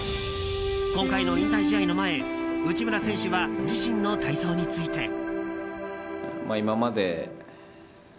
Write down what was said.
今回の引退試合の前、内村選手は自身の体操について。